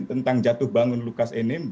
tentang jatuh bangun lukas nm